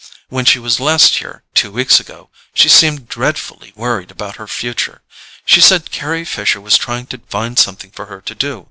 When she was last here, two weeks ago, she seemed dreadfully worried about her future: she said Carry Fisher was trying to find something for her to do.